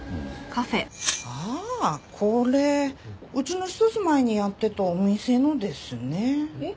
ああこれうちの一つ前にやってたお店のですね。